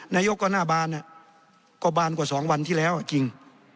นายกก็หน้าบานก็บานกว่า๒วันที่แล้วจริง